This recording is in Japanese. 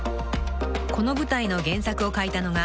［この舞台の原作を書いたのが］